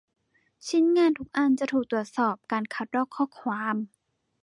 ชิ้นงานทุกอันจะถูกตรวจสอบการคัดลอกข้อความ